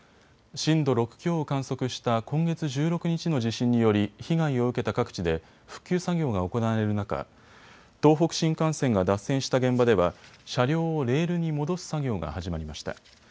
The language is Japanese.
震度６強を観測した今月１６日の地震により被害を受けた各地で復旧作業が行われる中、東北新幹線が脱線した現場では車両をレールに戻す作業が始まりました。